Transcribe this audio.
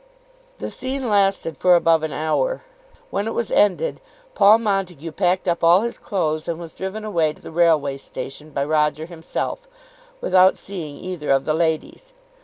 The scene lasted for above an hour. When it was ended, Paul Montague packed up all his clothes and was driven away to the railway station by Roger himself, without seeing either of the ladies.